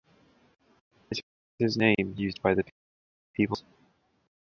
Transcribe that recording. It is not a name used by the people themselves.